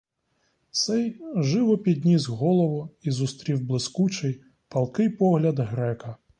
Цей живо підніс голову і зустрів блискучий, палкий погляд грека.